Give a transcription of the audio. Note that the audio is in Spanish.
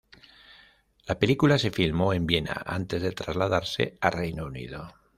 La película se filmó en Viena antes de trasladarse a Reino Unido.